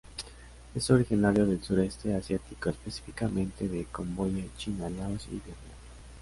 Es originario del Sureste Asiático, específicamente de Camboya, China, Laos y Vietnam.